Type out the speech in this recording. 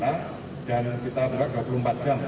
dan kita buat dua puluh empat jam